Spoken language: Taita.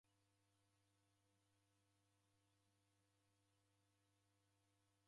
Miwa wapo w'anifuya nguw'o rapo